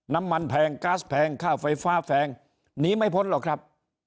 น้ำมันแพงแก๊สแพงข้าวไฟฟ้าแพงหนีไม่พ้นหรอกครับ